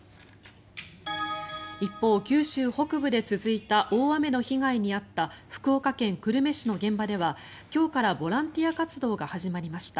一方、九州北部で続いた大雨の被害に遭った福岡県久留米市の現場では今日からボランティア活動が始まりました。